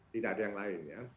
tidak ada yang lain ya